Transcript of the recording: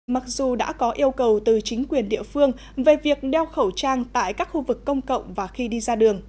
mặc dù đã có yêu cầu từ chính quyền địa phương về việc đeo khẩu trang tại các khu vực công cộng và khi đi ra đường